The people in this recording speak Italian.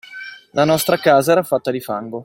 La nostra casa era fatta di fango.